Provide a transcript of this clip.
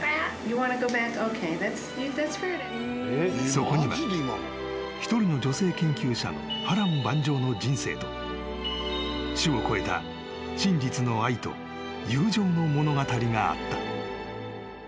［そこには一人の女性研究者の波瀾万丈の人生と種を超えた真実の愛と友情の物語があった］